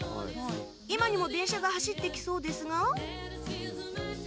今にも電車が走ってきそうですが